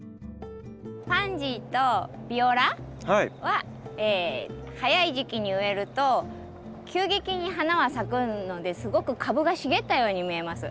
パンジーとビオラは早い時期に植えると急激に花は咲くのですごく株が茂ったように見えます。